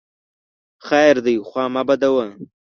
خیر دی خوا مه بدوه !